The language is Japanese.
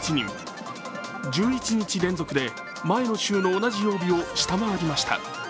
１１日連続で前の週の同じ曜日を下回りました。